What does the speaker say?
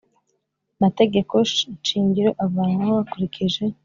mategeko nshingiro avanwaho hakurikije